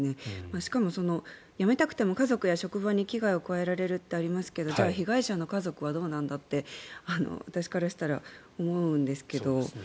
しかも、やめたくても家族や職場に危害を加えられるってありますけどじゃあ被害者の家族はどうなんだって私からしたら思うんですけど。